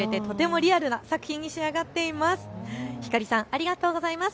ありがとうございます。